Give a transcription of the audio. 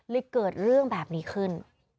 เกิดเรื่องแบบนี้ขึ้น